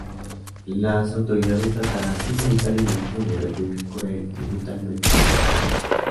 Las autoridades trataran, inevitablemente, de reprimir cruel y brutalmente este movimiento.